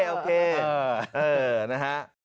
โอเคเออนะฮะ